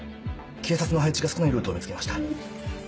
警察の配置が少ないルートを見つけました。